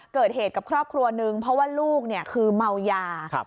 เกิดเหตุกับครอบครัวนึงเพราะว่าลูกคือเมายา